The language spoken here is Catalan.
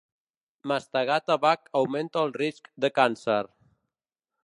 Mastegar tabac augmenta el risc de càncer.